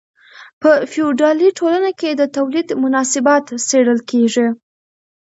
په فیوډالي ټولنه کې د تولید مناسبات څیړل کیږي.